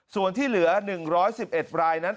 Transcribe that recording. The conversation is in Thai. ส่วนที่เหลืออาศัยรึงร้อย๑๑๑นั้น